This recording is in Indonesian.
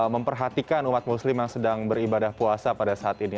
memperhatikan umat muslim yang sedang beribadah puasa pada saat ini